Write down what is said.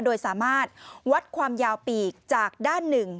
โดยสามารถวัดความยาวปีกจากด้านหนึ่ง